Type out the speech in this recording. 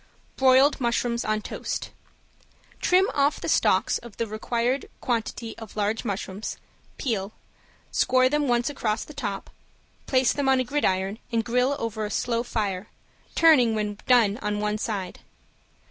~BROILED MUSHROOMS ON TOAST~ Trim off the stalks of the required quantity of large mushrooms, peel, score them once across the top, place them on a gridiron and grill over a slow fire, turning when done on one side.